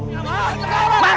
yang daha baik